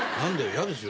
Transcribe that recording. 嫌ですよ。